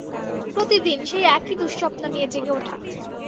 প্রতিদিন, সেই একই দুঃস্বপ্ন নিয়ে জেগে ওঠা।